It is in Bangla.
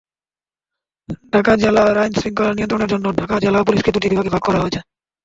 ঢাকা জেলার আইনশৃঙ্খলা নিয়ন্ত্রণের জন্য ঢাকা জেলা পুলিশকে দুটি বিভাগে ভাগ করা হয়েছে।